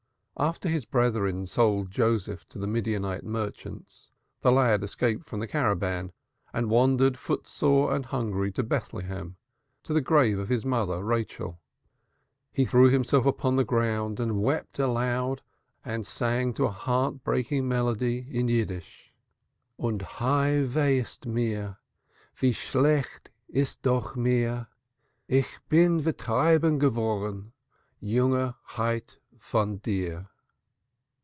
After his brethren sold Joseph to the Midianite merchants, the lad escaped from the caravan and wandered foot sore and hungry to Bethlehem, to the grave of his mother, Rachel. And he threw himself upon the ground and wept aloud and sang to a heart breaking melody in Yiddish. Und hei weh ist mir, Wie schlecht ist doch mir, Ich bin vertrieben geworen Junger held voon dir.